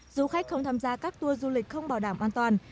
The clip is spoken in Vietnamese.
du khách không tham gia các tour du lịch không bảo đảm an toàn